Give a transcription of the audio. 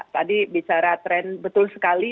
tadi bicara tren betul sekali